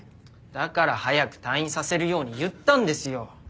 だから早く退院させるように言ったんですよ。